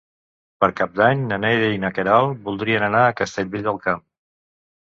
Per Cap d'Any na Neida i na Queralt voldrien anar a Castellvell del Camp.